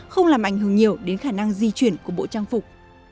không làm ảnh hưởng nhiều đến khả năng di chuyển của bộ trang phục